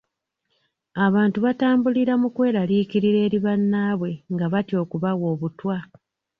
Abantu batambulira mu kweraliikirira eri bannaabwe nga batya okubawa obutwa.